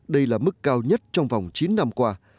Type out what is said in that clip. đây là mức cao nhất trong vòng chín năm qua